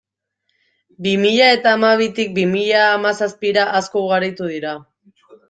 Bi mila eta hamabitik bi mila hamazazpira, asko ugaritu dira.